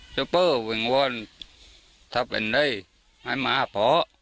เจ้าเปอร์วิ่งวันทำเป็นอะไรให้มาหาพ่อ